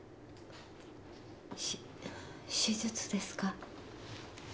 手手術ですか？